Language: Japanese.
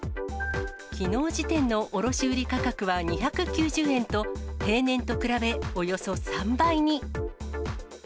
きのう時点の卸売り価格は２９０円と、平年と比べおよそ３倍に。